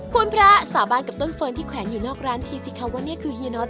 คุณพระสาบานกับต้นเฟิร์นที่แขวนอยู่นอกร้านทีสิคะว่านี่คือเฮียน็อต